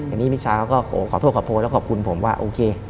อันนี้มิชาเขาก็ขอโทษขอโพยแล้วขอบคุณผมว่าโอเค